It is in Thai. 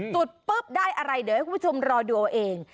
จุดปุ๊บได้อะไรเดี๋ยวให้คุณผู้ชมรอดูเอาเอง